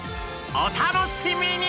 お楽しみに！